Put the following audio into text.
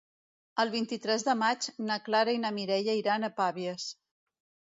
El vint-i-tres de maig na Clara i na Mireia iran a Pavies.